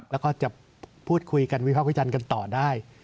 แล้วก็จะพูดคุยกันวิภาควิจารณ์กันต่อได้